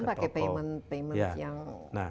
dan pakai payment yang